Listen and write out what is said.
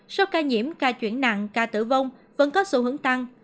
sau ca nhiễm ca chuyển nặng ca tử vong vẫn có sự hướng tăng